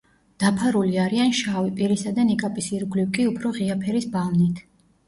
დაფარული არიან შავი, პირისა და ნიკაპის ირგვლივ კი უფრო ღია ფერის ბალნით.